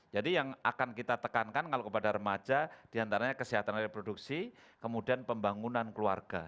jadi yang akan kita tekankan kalau kepada remaja diantaranya kesehatan reproduksi kemudian pembangunan keluarga